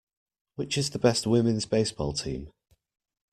Which is the best women's baseball team?